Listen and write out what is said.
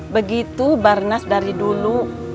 begitu barnas dari dulu